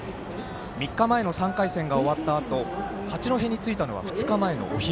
３日前の３回戦が終わったあと八戸に着いたのが２日前のお昼。